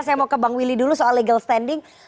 saya mau ke bang willy dulu soal legal standing